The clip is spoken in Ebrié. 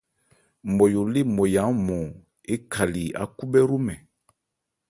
Nmɔyo lê Nmɔya ɔ́nmɔn ékhali ákhúbhɛ́ hromɛn.